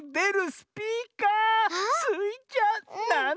スイちゃん